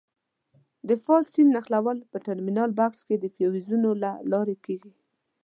د فاز سیم نښلول په ټرمینل بکس کې د فیوزونو له لارې کېږي.